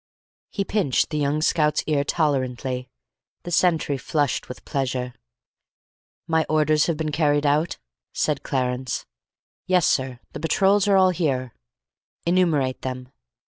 He pinched the young Scout's ear tolerantly. The sentry flushed with pleasure. "My orders have been carried out?" said Clarence. "Yes, sir. The patrols are all here." "Enumerate them."